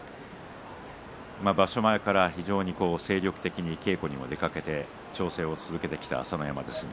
場所前から非常に精力的に稽古にも出かけて調整を続けてきた朝乃山です。